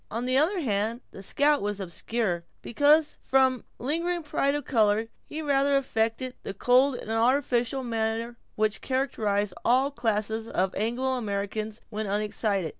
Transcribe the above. On the other hand, the scout was obscure; because from the lingering pride of color, he rather affected the cold and artificial manner which characterizes all classes of Anglo Americans when unexcited.